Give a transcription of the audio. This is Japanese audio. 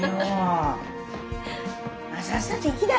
さっさと行きな！